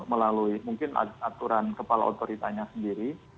melalui mungkin aturan kepala otoritanya sendiri